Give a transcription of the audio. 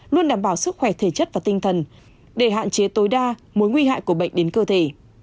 luôn đảm bảo sức khỏe thể chất và tinh thần để hạn chế tối đa mối nguy hại của bệnh đến cơ thể